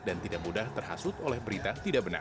dan tidak mudah terhasut oleh berita tidak benar